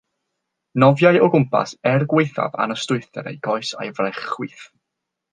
Nofiai o gwmpas er gwaethaf anystwythder ei goes a'i fraich chwith.